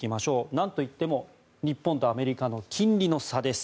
なんといっても日本とアメリカの金利の差です。